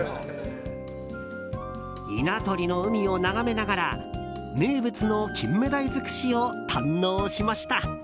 稲取の海を眺めながら名物のキンメダイ尽くしを堪能しました。